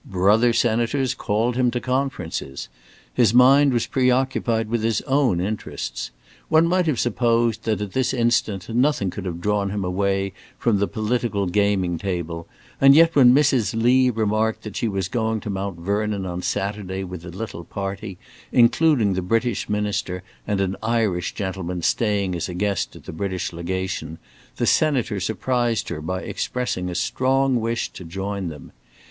Brother senators called him to conferences. His mind was pre occupied with his own interests. One might have supposed that, at this instant, nothing could have drawn him away from the political gaming table, and yet when Mrs. Lee remarked that she was going to Mount Vernon on Saturday with a little party, including the British Minister and an Irish gentleman staying as a guest at the British Legation, the Senator surprised her by expressing a strong wish to join them.